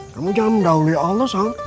kamu jangan mendahului allah show